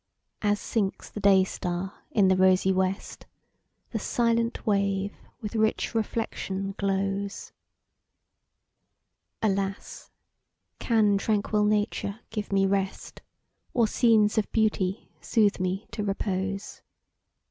As sinks the day star in the rosy west, The silent wave, with rich reflection glows: Alas! can tranquil nature give me rest, Or scenes of beauty soothe me to repose?